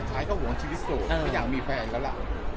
ไม่อยากมีแฟนก็แหละ